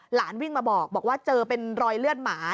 หลานวิ่งมาบอกว่าเจอเป็นรอยเลือดหมา